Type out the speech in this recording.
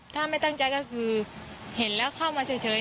ถ้าไม่ตั้งใจก็คือเห็นแล้วเข้ามาเฉย